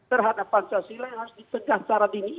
terhadap pancasila yang harus ditegak